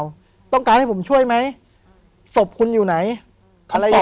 ผมก็ไม่เคยเห็นว่าคุณจะมาทำอะไรให้คุณหรือเปล่า